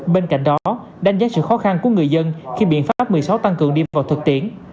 bên cạnh đó đánh giá sự khó khăn của người dân khi biện pháp một mươi sáu tăng cường đi vào thực tiễn